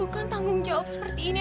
lu kan tanggung jawab seperti ini